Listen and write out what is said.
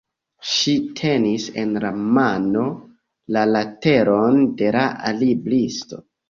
Ŝi tenis en la mano la leteron de la libristo.